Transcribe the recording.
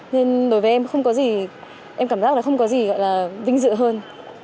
nên đối với em không có gì em cảm giác là không có gì gọi là vinh dự hơn